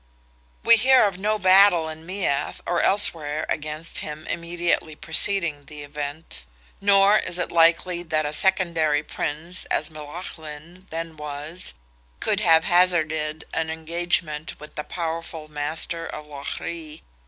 We hear of no battle in Meath or elsewhere against him immediately preceding the event; nor, is it likely that a secondary Prince, as Melaghlin then was, could have hazarded an engagement with the powerful master of Lough Ree.